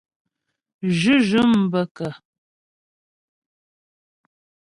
Zhʉ́zhʉ̂m bə́ kə́ ?